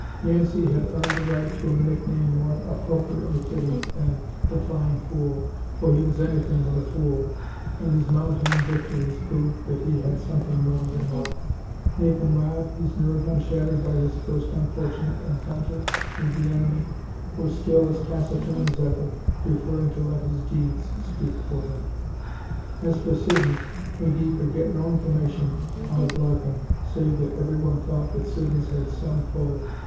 Yancey had earned the right to a nickname more appropriately fitting than "the flying fool," for he was anything but a fool and his mounting victories proved that he had something more than luck. Nathan Rodd, his nerve unshattered by his first unfortunate encounter with the enemy, was still as taciturn as ever, preferring to let his deeds speak for him. As for Siddons, McGee could get no information out of Larkin save that everyone thought that Siddons had some pull.